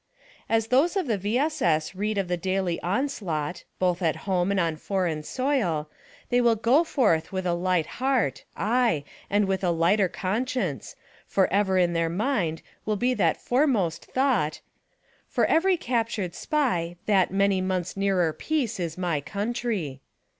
As those of the V. S. S. read of the daily onslaught, both at home and on foreign soil, they will go forth with a light heart, aye, and with a lighter conscience, for ever in their mind will be that foremost thought : "For every captured SPY that many months nearer PEACE is MY COUNTRY."